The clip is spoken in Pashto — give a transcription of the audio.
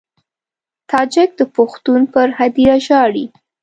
تاجک د پښتون پر هدیره ژاړي.